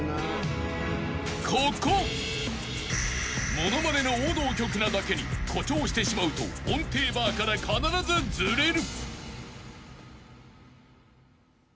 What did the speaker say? ［物まねの王道曲なだけに誇張してしまうと音程バーから必ずずれる］